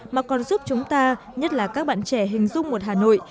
mà còn giúp chúng ta nhất là các bạn trẻ hình dung một hà nội